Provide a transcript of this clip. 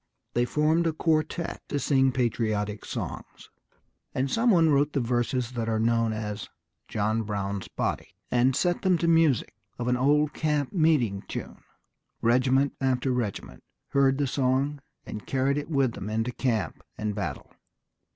They formed a quartette to sing patriotic songs, and some one wrote the verses that are known as "John Brown's Body," and set them to the music of an old camp meeting tune. Regiment after regiment heard the song and carried it with them into camp and battle.